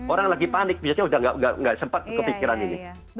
orang lagi panik biasanya udah gak sempat kepikiran ini